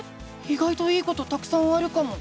いがいといいことたくさんあるかも！